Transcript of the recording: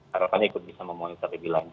harapannya ikut bisa memonitor lebih lanjut